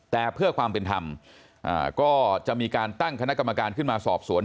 แต่เพื่อความเป็นธรรมก็จะมีการตั้งคณะกรรมการขึ้นมาสอบสวน